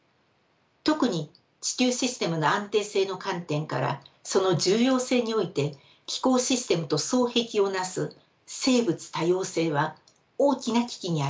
特に地球システムの安定性の観点からその重要性において気候システムと双璧を成す生物多様性は大きな危機にあります。